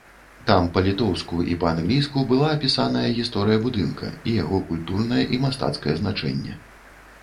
Там па-літоўску і па-англійску была апісаная гісторыя будынка і яго культурнае і мастацкае значэнне.